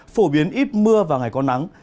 phổ biến ít mưa và ngày có nắng